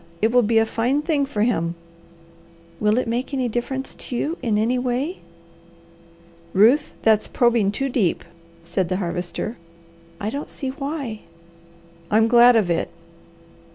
It will be a fine thing for him." "Will it make any difference to you in any way?" "Ruth, that's probing too deep," said the Harvester. "I don't see why!" "I'm glad of it!"